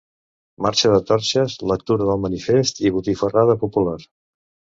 Marxa de torxes, lectura del manifest i botifarrada popular.